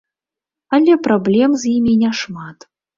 Але праблем з імі няшмат.